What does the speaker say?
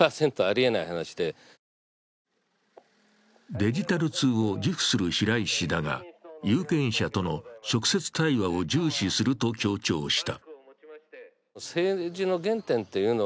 デジタル通を自負する平井氏だが、有権者との直接対話を重視すると強調した。